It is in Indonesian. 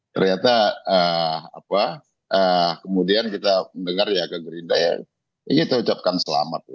ternyata kemudian kita mendengar ya ke gerindra ya ini kita ucapkan selamat